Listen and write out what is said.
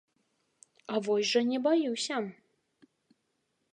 А вось жа не баюся!